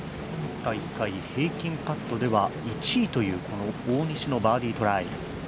大会平均カットでは１位という、この大西のバーディートライ。